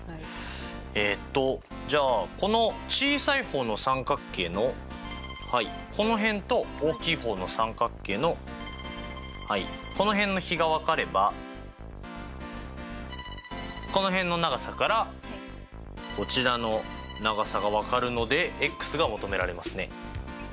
えっとじゃあこの小さい方の三角形のこの辺と大きい方の三角形のこの辺の比が分かればこの辺の長さからこちらの長さが分かるのでｘが求められますね。